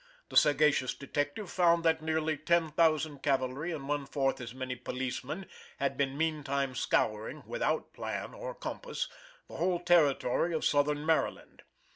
The sagacious detective found that nearly ten thousand cavalry, and one fourth as many policemen, had been meantime scouring, without plan or compass, the whole territory of Southern Maryland.